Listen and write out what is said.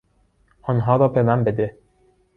آنها را به من بده.